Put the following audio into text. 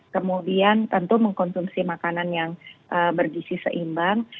kemudian tentu mengkonsumsi makanan yang bergisi seimbang